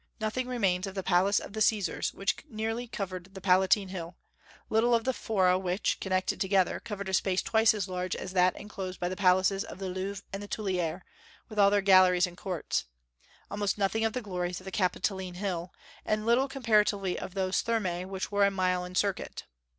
Nothing remains of the Palace of the Caesars, which nearly covered the Palatine Hill; little of the fora which, connected together, covered a space twice as large as that inclosed by the palaces of the Louvre and Tuileries, with all their galleries and courts; almost nothing of the glories of the Capitoline Hill; and little comparatively of those Thermae which were a mile in circuit.